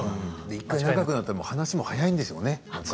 １回仲よくなったら話も早いんでしょうね。